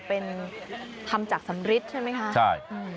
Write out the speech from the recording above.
เป็นทำจากสำริทใช่ไหมคะใช่